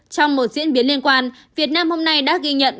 trong một diễn biến liên quan việt nam hôm nay đã ghi nhận